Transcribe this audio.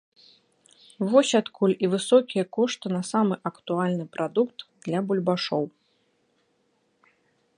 Вось адкуль і высокія кошты на самы актуальны прадукт для бульбашоў.